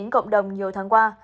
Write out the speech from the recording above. cộng đồng nhiều tháng qua